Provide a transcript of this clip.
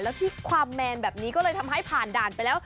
แล้วที่ความแมนแบบนี้ก็เลยทำให้ผ่านด่านไปแล้ว